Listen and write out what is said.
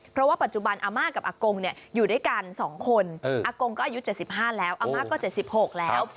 เพราะว่าปัจจุบันอาม่ากับอากงอยู่ด้วยกัน๒คนอากงก็อายุ๗๕แล้วอาม่าก็๗๖แล้ว